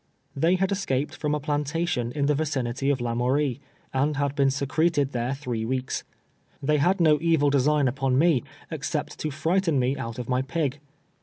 They had escaped from a plantation in the vicinity of La mourie, and had been secreted there three weeks. They had no evil design upon me, except to frighten me out of my pig.